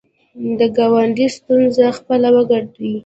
د ګاونډي ستونزه خپله وګڼئ